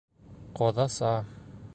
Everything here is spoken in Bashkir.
Ҡоҙаса.